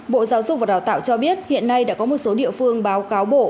bộ giáo dục và đào tạo cho biết hiện nay đã có một số địa phương báo cáo bộ